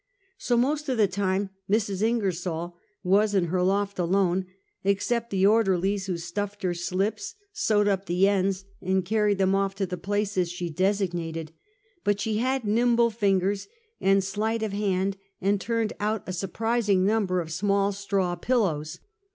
So, most of the time Mrs. Ingersol was in her loft alone, except the orderlies who stuffed her slips, sewed up the ends and carried them ofi" to the places she designated ; but she had nimble fingers, and sleight of hand, and turned out a surprising number of small straw pillows.